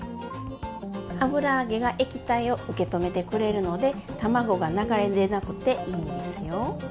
油揚げが液体を受け止めてくれるので卵が流れ出なくていいんですよ。